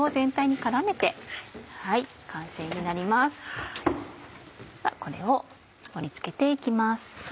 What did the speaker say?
ではこれを盛り付けて行きます。